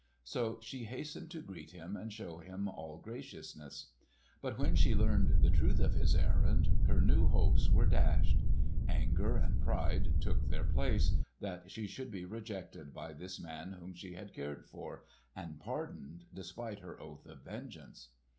So she hastened to greet him and show him all graciousness. But when she learned the truth of his errand, her new hopes were dashed. Anger and pride took their place, that she should be rejected by this man whom she had cared for—and pardoned despite her oath of vengeance!